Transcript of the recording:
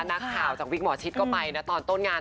นักข่าวจากวิกหมอชิดก็ไปนะตอนต้นงาน